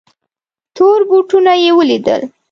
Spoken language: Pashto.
تور بوټونه یې ولیدل.